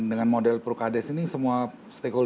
nah dengan model procades ini semua program ini bisa berjalan